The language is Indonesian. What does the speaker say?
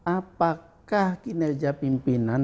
apakah kinerja pimpinan